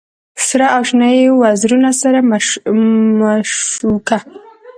سره او شنه یې وزرونه سره مشوکه